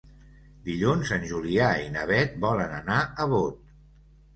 Dilluns en Julià i na Beth volen anar a Bot.